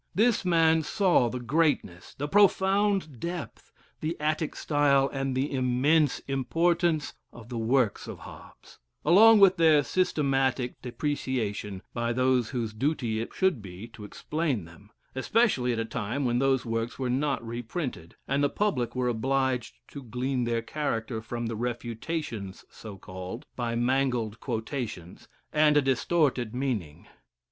This man saw the greatness, the profound depth, the attic style, and the immense importance of the works of Hobbes, along with their systematic depreciation by those whose duty it should be to explain them, especially at a time when those works were not reprinted, and the public were obliged to glean their character from the refutations (so called) by mangled quotations, and a distorted meaning.